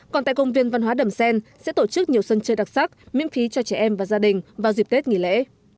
còn tại công viên văn hóa đầm xen sẽ tổ chức nhiều sân chơi đặc sắc miễn phí cho trẻ em và gia đình vào dịp tết nghỉ lễ